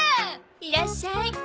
いらっしゃい。